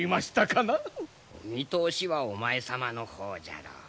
お見通しはお前様の方じゃろう。